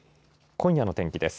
今夜の天気です。